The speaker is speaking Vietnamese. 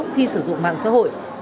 khi sử dụng mạng xã hội